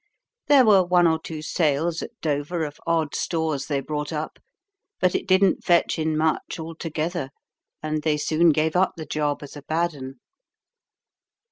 There were one or two sales at Dover of odd stores they brought up, but it didn't fetch in much altogether, and they soon gave up the job as a bad un."